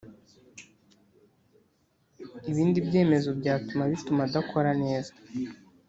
ibindi byemezo byatuma bituma adakora neza.